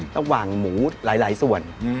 ระหว่างหมูหลายส่วน